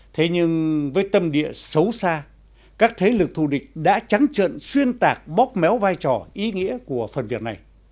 thế nhưng với tâm địa xấu xa các thế lực thù địch đã trắng trận xuyên tạc bóp méo vai trò ý nghĩa của phần việc này